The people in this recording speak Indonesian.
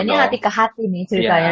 ini hati ke hati nih ceritanya